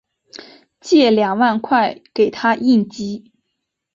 借两万块给她应急